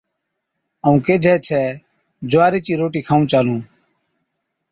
ائُون ڪيهجَي ڇَي جُوارِي چِي روٽِي کائُون چالُون